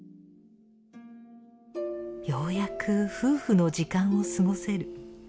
ようやく夫婦の時間を過ごせる。